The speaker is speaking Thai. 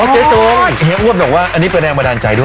เจ๊จงเฮีอ้วนบอกว่าอันนี้เป็นแรงบันดาลใจด้วย